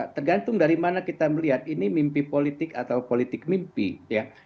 tergantung dari mana kita melihat ini mimpi politik atau politik mimpi ya